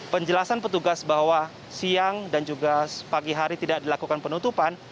penjelasan petugas bahwa siang dan juga pagi hari tidak dilakukan penutupan